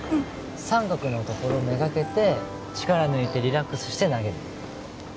三角のところ目がけて力抜いてリラックスして投げるＯＫ？